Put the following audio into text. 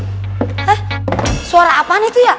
teh suara apaan itu ya